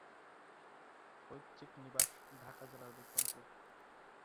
পৈতৃক নিবাস ঢাকা জেলার বিক্রমপুর।